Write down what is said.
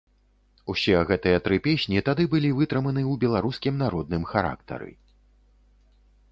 Усе гэтыя тры песні тады былі вытрыманы ў беларускім народным характары.